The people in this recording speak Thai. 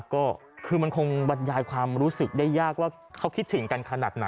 ก็คือมันคงบรรยายความรู้สึกได้ยากว่าเขาคิดถึงกันขนาดไหน